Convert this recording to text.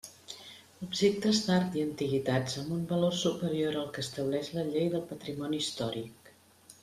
Objectes d'art i antiguitats amb un valor superior al que estableix la Llei del patrimoni històric.